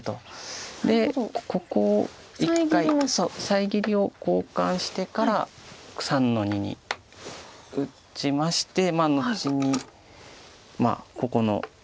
遮りを交換してから３の二に打ちまして後にここの。